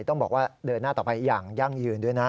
ต้องบอกว่าเดินหน้าต่อไปอย่างยั่งยืนด้วยนะ